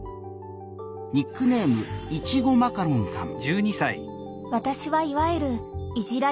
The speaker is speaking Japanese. ニックネームいちごマカロンさん。